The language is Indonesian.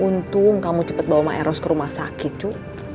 untung kamu cepet bawa maeros ke rumah sakit cu